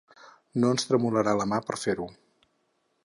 No ens tremolarà la mà per a fer-ho.